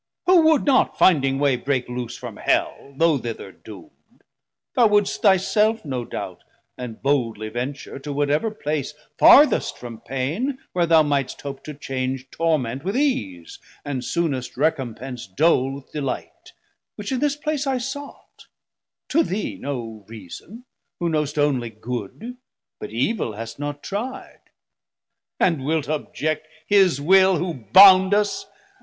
Who would not, finding way, break loose from Hell, Though thither doomd? Thou wouldst thy self, no doubt, 890 And boldly venture to whatever place Farthest from pain, where thou mightst hope to change Torment with ease, & soonest recompence Dole with delight, which in this place I sought; To thee no reason; who knowst only good, But evil hast not tri'd: and wilt object His will who bound us?